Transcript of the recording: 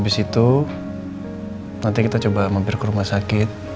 tunggu nanti kita coba mampir ke rumah sakit